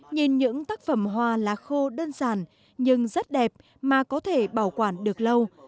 nhìn những tác phẩm hoa là khô đơn giản nhưng rất đẹp mà có thể bảo quản được lâu